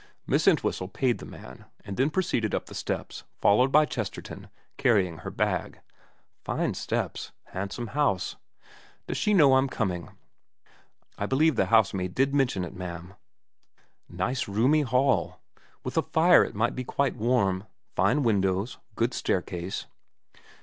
Miss Entwhistle paid the man, and then proceeded up the steps followed by Chesterton carrying her bag. Fine steps. Handsome house. ' Does she know I'm coming ?'' I believe the housemaid did mention it, ma'am.' Nice roomy hall. With a fire it might be quite warm. Fine windows. Good staircase.